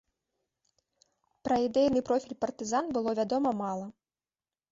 Пра ідэйны профіль партызан было вядома мала.